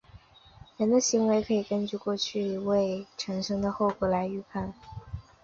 人的行为可以根据过去行为产生的后果来预测。